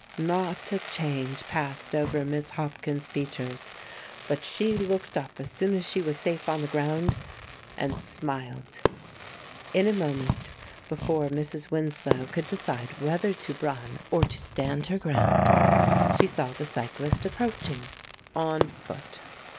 Not a change passed over Miss Hopkins's features; but she looked up as soon as she was safe on the ground, and smiled. In a moment, before Mrs. Winslow could decide whether to run or to stand her ground, she saw the cyclist approaching on foot.